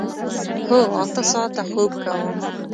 هو، اته ساعته خوب کوم